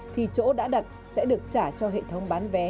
thì chỗ đã đặt sẽ được trả cho hệ thống bán vé